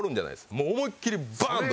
もう思いっきりバーンと。